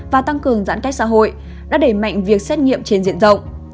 và tăng cường giãn cách xã hội đã đẩy mạnh việc xét nghiệm trên diện rộng